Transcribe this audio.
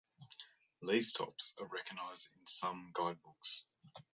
These tops are recognised in some guidebooks.